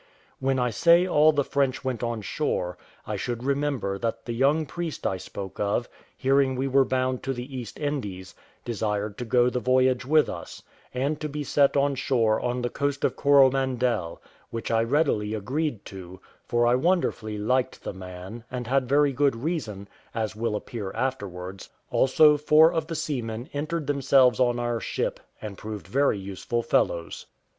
When I say all the French went on shore, I should remember that the young priest I spoke of, hearing we were bound to the East Indies, desired to go the voyage with us, and to be set on shore on the coast of Coromandel; which I readily agreed to, for I wonderfully liked the man, and had very good reason, as will appear afterwards; also four of the seamen entered themselves on our ship, and proved very useful fellows.